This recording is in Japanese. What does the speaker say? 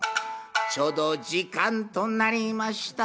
ちょうど時間となりました